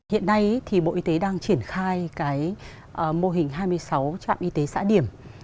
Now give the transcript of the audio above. hiện nay thì bộ y tế đang triển khai cái mô hình hai mươi sáu trạm y tế xã điểm